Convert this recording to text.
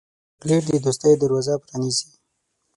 چاکلېټ د دوستۍ دروازه پرانیزي.